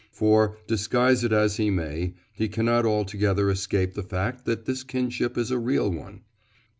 For, disguise it as he may, he cannot altogether escape the fact that this kinship is a real one.